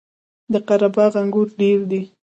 د قره باغ انګور ډیر دي